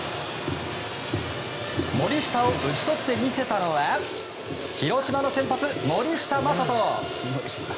森下を打ち取って見せたのは広島の先発、森下暢仁。